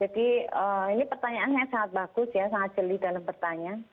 jadi ini pertanyaannya sangat bagus ya sangat jeli dalam pertanyaan